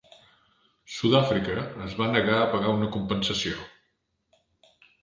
Sud-àfrica es va negar a pagar una compensació.